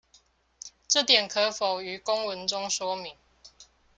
這點可否於公文中說明